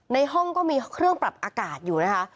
ในห้องก็มีเครื่องปรับอากาศอยู่นะคะ